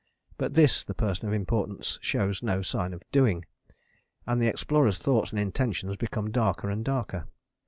But this the Person of Importance shows no sign of doing, and the Explorer's thoughts and intentions become darker and darker.